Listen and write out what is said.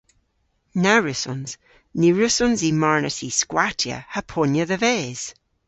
Na wrussons. Ny wrussons i marnas y skwattya ha ponya dhe-ves.